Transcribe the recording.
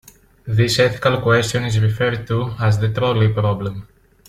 This ethical question is referred to as the trolley problem.